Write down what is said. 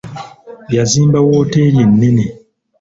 Yazimba wooteeri ennene.